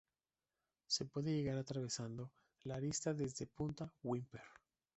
Se puede llegar atravesando la arista desde la Punta Whymper.